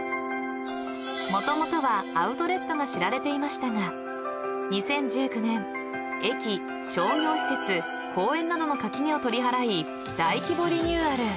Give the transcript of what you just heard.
［もともとはアウトレットが知られていましたが２０１９年駅商業施設公園などの垣根を取り払い大規模リニューアル］